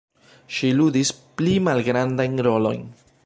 Ŝi ludis pli malgrandajn rolojn.